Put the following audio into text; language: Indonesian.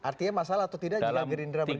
artinya masalah atau tidak jika gerindra menilai